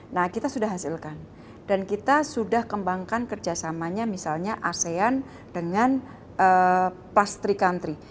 nah kita sudah hasilkan dan kita sudah kembangkan kerjasamanya misalnya asean dengan plus tri country